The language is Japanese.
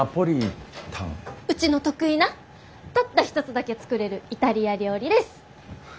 うちの得意なたった一つだけ作れるイタリア料理です！